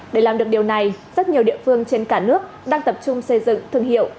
để làm được điều này rất nhiều địa phương trên cả nước đang tập trung xây dựng thương hiệu